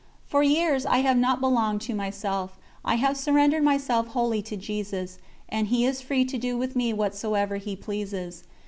For years I have not belonged to myself, I have surrendered myself wholly to Jesus, and He is free to do with me whatsoever He pleases.